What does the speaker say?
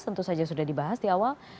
tentu saja sudah dibahas di awal